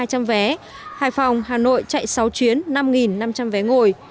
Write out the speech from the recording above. hà nội hải phòng chạy sáu chuyến năm năm trăm linh vé ngồi